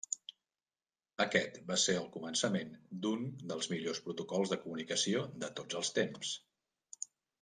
Aquest va ser el començament d'un dels millors protocols de comunicació de tots els temps.